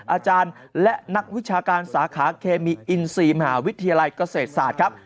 อาจารย์และนักวิชาการสาขาเคมีอินซีมหาวิทยาลัยเกษตรศาสตร์ครับ